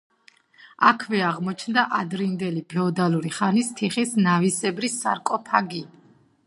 აქვე აღმოჩნდა ადრინდელი ფეოდალური ხანის თიხის ნავისებრი სარკოფაგი.